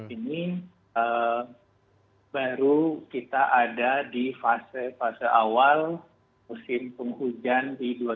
ini baru kita ada di fase fase awal musim penghujan di dua ribu dua puluh